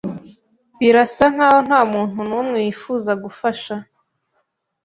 Birasa nkaho ntamuntu numwe wifuza gufasha.